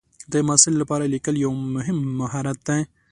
د محصل لپاره لیکل یو مهم مهارت دی.